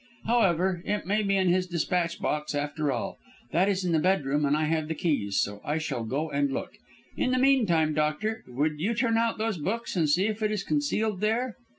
However, it may be in his despatch box after all. That is in the bedroom, and I have the keys, so I shall go and look. In the meantime, doctor, would you turn out those books and see if it is concealed there?"